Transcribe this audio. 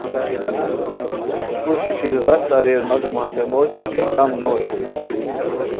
پوشی ژیرغست اریر مگم ہتے موش دی کیہ کم نو اوشوئے